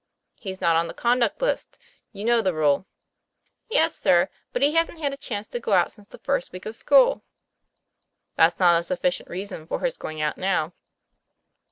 " He's not on the conduct list. You know the rule." "Yes, sir; but he hasn't had a chance to go out since the first week of school." " That's not a sufficient reason for his going out now.'